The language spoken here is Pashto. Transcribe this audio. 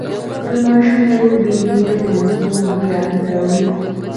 د ماشوم لوبې لیدل خوږ یاد راوړي